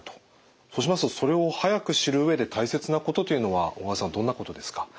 そうしますとそれを早く知る上で大切なことというのは小川さんどんなことですか？